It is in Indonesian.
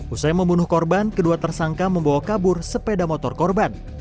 usai membunuh korban kedua tersangka membawa kabur sepeda motor korban